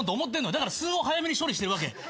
だから「ス」を早めに処理してるわけ。